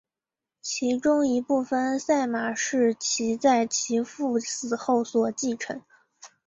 其中一部分赛马是其在其父死后所继承。